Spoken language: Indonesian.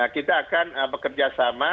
kita akan bekerja sama